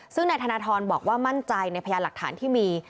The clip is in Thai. ซึ่งนายธนทรบอกว่ามั่นใจในพยานหลักฐานที่มี